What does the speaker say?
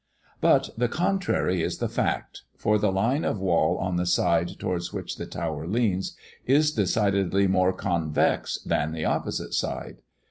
But the contrary is the fact; for the line of wall on the side towards which the tower leans, is decidedly more convex than the opposite side.